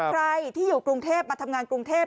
ใครที่อยู่กรุงเทพมาทำงานกรุงเทพ